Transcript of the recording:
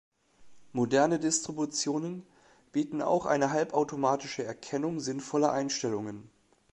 Moderne Distributionen bieten auch eine halbautomatische Erkennung sinnvoller Einstellungen.